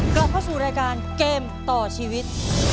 กลับเข้าสู่รายการเกมต่อชีวิต